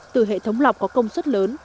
từ hệ thống lọc có công suất lớn